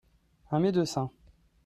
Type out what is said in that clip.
Un médecin.